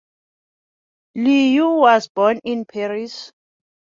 Liu was born in Paris.